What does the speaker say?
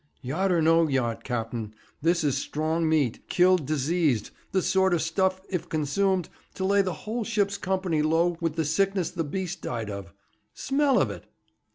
'Yacht or no yacht, cap'n, this is strong meat, killed diseased; the sorter stuff, if consumed, to lay the whole ship's company low with the sickness the beast died of. Smell of it.'